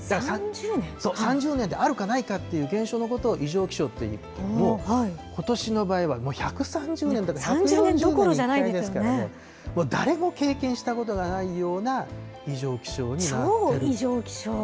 そう、３０年であるかないかっていう現象のことで異常気象っていうんですけども、ことしの場合は１３０年とか１４０年に１回ですからね、もう誰も経験したことがないような異常気象になっている。